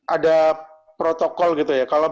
ada protokol gitu ya